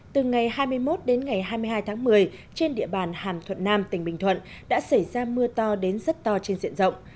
từ ngày hai mươi một đến ngày hai mươi hai tháng một mươi trên địa bàn hàm thuận nam tỉnh bình thuận đã xảy ra mưa to đến rất to trên diện rộng